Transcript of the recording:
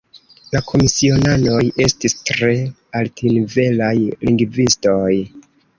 La komisionanoj estis tre altnivelaj lingvistoj.